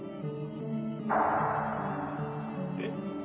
えっ。